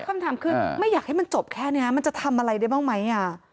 คำถามคือไม่อยากให้มันจบแค่นี้มันจะทำอะไรได้บ้างไหม